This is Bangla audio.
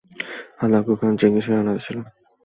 হালাকু খান চেঙ্গিস খানের নাতি ছিলেন।